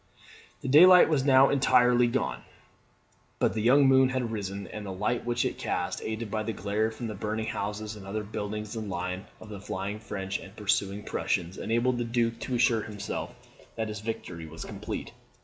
The daylight was now entirely gone; but the young moon had risen, and the light which it cast, aided by the glare from the burning houses and other buildings in the line of the flying French and pursuing Prussians, enabled the Duke to assure himself that his victory was complete.